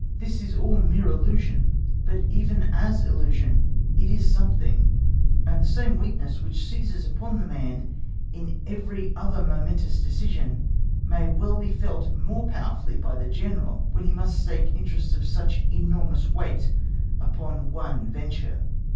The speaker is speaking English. This is all mere illusion, but even as illusion it is something, and the same weakness which seizes upon the man in every other momentous decision may well be felt more powerfully by the General, when he must stake interests of such enormous weight upon one venture.